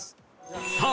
さあ